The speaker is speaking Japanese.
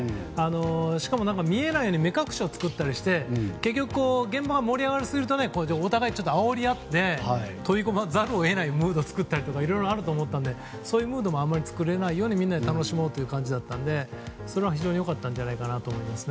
しかも見えないように目隠しを作ったりして現場が盛り上がりすぎるとお互いあおりあって飛び込まざるを得ないムードを作ったりとかいろいろあると思ったんでそういうムードもあまり作れないようにみんなで楽しもうという感じだったので、それは非常に良かったんじゃないかなと思いますね。